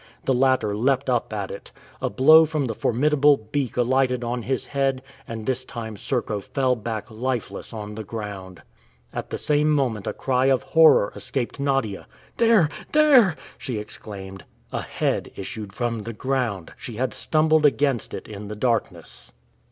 The latter leapt up at it. A blow from the formidable beak alighted on his head, and this time Serko fell back lifeless on the ground. At the same moment a cry of horror escaped Nadia. "There... there!" she exclaimed. A head issued from the ground! She had stumbled against it in the darkness.